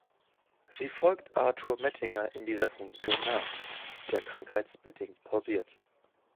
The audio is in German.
Sie folgt Arthur Mettinger in dieser Funktion nach, der krankheitsbedingt pausiert.